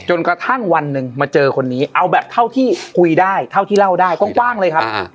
จนกระทั่งวันหนึ่งมาเจอคนนี้เอาแบบเท่าที่คุยได้เท่าที่เล่าได้กว้างเลยครับ